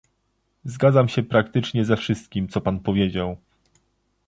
Zgadzam się praktycznie ze wszystkim, co pan powiedział